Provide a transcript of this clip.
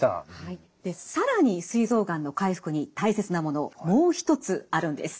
更にすい臓がんの回復に大切なものもう一つあるんです。